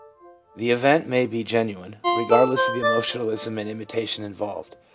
The event may be genuine, regardless of the emotionalism or imitation involved.